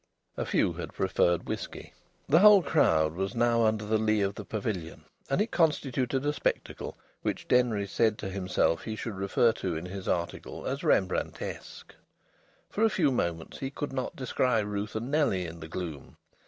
A few had preferred whisky. The whole crowd was now under the lee of the pavilion, and it constituted a spectacle which Denry said to himself he should refer to in his article as "Rembrandtesque." For a few moments he could not descry Ruth and Nellie in the gloom.